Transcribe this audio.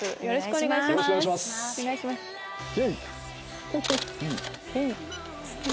よろしくお願いします。